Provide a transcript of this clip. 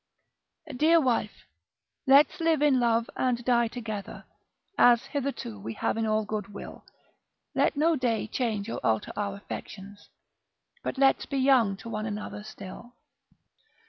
Dear wife, let's live in love, and die together, As hitherto we have in all good will: Let no day change or alter our affections. But let's be young to one another still.